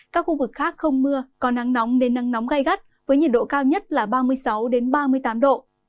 các khu vực khác không mưa có nắng nóng đến nắng nóng gai gắt với nhiệt độ cao nhất là ba mươi sáu ba mươi tám độ